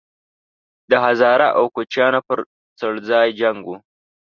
د هزاره او کوچیانو په څړځای جنګ وو